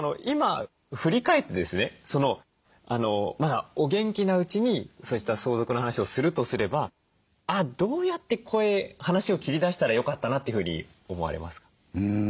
今振り返ってですねお元気なうちにそうした相続の話をするとすればどうやって話を切り出したらよかったなというふうに思われますか？